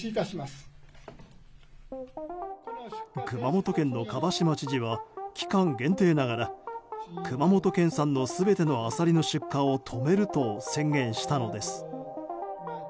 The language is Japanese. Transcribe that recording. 熊本県の蒲島知事は期間限定ながら熊本県の全てのアサリの出荷を止めると宣言したのです。